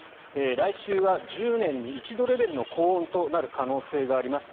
来週は１０年に一度レベルの高温となる可能性があります。